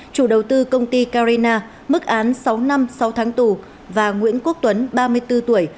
chủ đầu tư công ty carina mức án sáu năm sáu tháng tù và nguyễn quốc tuấn ba mươi bốn tuổi